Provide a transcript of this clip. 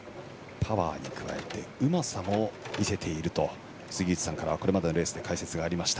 パワーに加えてうまさも見せていると杉内さんからはこれまでのレースで解説がありました。